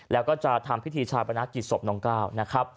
แล้วก็ทำพิธีชาบรนักจีดสมนองเกล้า